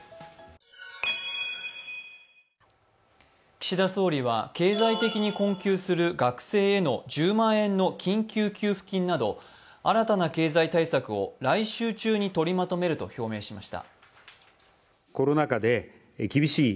岸田総理は経済的に困窮する学生への１０万円の緊急給付金など新たな経済対策を来週中にとりまとめると表明しました。